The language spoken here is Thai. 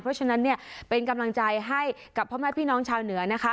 เพราะฉะนั้นเนี่ยเป็นกำลังใจให้กับพ่อแม่พี่น้องชาวเหนือนะคะ